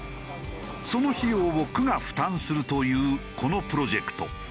その費用を区が負担するというこのプロジェクト。